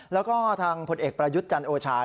แล้วก็ทางผลเอกประยุทธ์จันโอชา